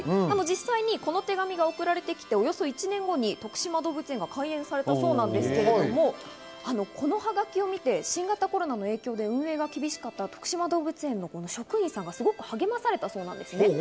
実際にこの手紙が送られてきて１年後にとくしま動物園が開園されたそうなんですけれども、このはがきを見て新型コロナの影響で運営が厳しかったとくしま動物園の職員さんがすごく励まされたそうなんですね。